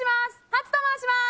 ハツと申します！